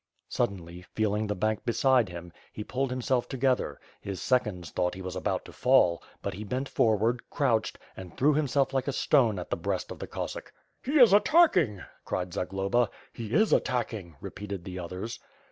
Suddenly, feeling the bank beside him, ne pulled himself together; his seconds thought he was about to fall; but he bent forward, crouched, and threw himself like a stone at the brea»t of the Cossack. "He is attacking/^ cried Zagloba. "He is attacking/^ repeated the others.